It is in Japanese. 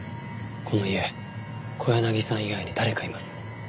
この家小柳さん以外に誰かいます。